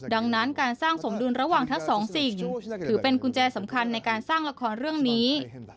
ดังนั้นการสร้างสมดุลระหว่างทั้งสองสิ่งถือเป็นกุญแจสำคัญในการสร้างละครเรื่องนี้